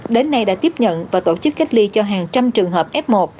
đến nay đã tiếp nhận và tổ chức cách ly cho hàng trăm trường hợp f một